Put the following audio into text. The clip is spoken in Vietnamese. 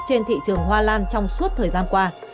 trên thị trường hoa lan trong suốt thời gian qua